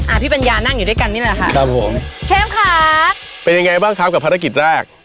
พี่ปัญญานั่งอยู่ด้วยกันนี่แหละค่ะครับผมเชฟค่ะเป็นยังไงบ้างครับกับภารกิจแรก